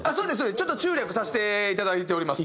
ちょっと中略させていただいております。